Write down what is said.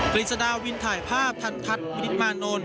กฤษฎาวินถ่ายภาพทันทัศน์วินิตมานนท์